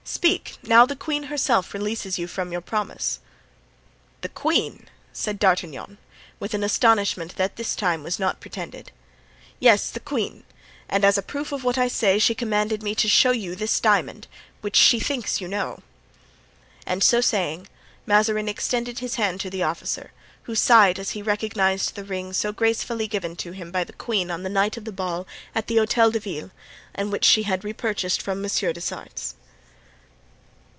Speak, now the queen herself releases you from your promise." "The queen!" said D'Artagnan, with an astonishment which this time was not pretended. "Yes, the queen! And as a proof of what I say she commanded me to show you this diamond, which she thinks you know." And so saying, Mazarin extended his hand to the officer, who sighed as he recognized the ring so gracefully given to him by the queen on the night of the ball at the Hotel de Ville and which she had repurchased from Monsieur des Essarts.